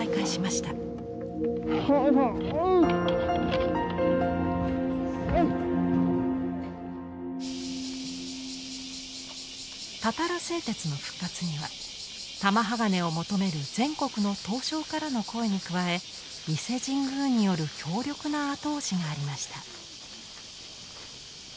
たたら製鉄の復活には玉鋼を求める全国の刀匠からの声に加え伊勢神宮による強力な後押しがありました。